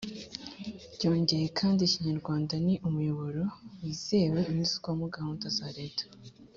byongeye kandi, ikinyarwanda ni umuyoboro wizewe unyuzwamo gahunda za leta: